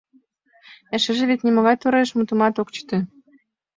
Эшеже вет нимогай тореш мутымат ок чыте.